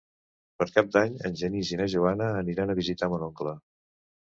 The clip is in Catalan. Per Cap d'Any en Genís i na Joana aniran a visitar mon oncle.